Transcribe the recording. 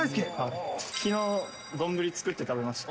きのう、丼作って食べました。